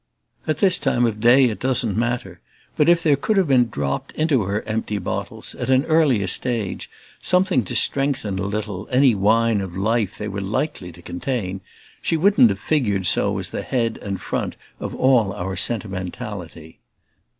At this time of day it doesn't matter, but if there could have been dropped into her empty bottles, at an earlier stage, something to strengthen a little any wine of life they were likely to contain, she wouldn't have figured so as the head and front of all our sentimentality.